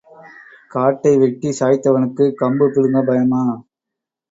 காட்டை வெட்டிச் சாய்த்தவனுக்குக் கம்பு பிடுங்கப் பயமா?